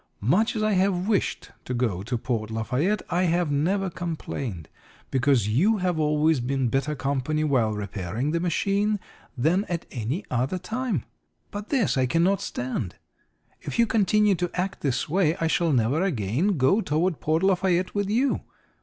Much as I have wished to go to Port Lafayette I have never complained, because you have always been better company while repairing the machine than at any other time. But this I cannot stand. If you continue to act this way I shall never again go toward Port Lafayette with you.